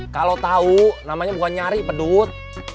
kalau tahu namanya bukan nyari pedut